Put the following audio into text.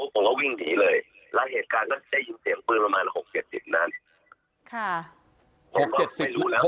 พวกผมก็วิ่งทีเลยแล้วเหตุการณ์ก็ได้ยินเสียงปืนประมาณ๖๗๐นั้น